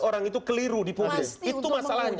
orang itu keliru di publik itu masalahnya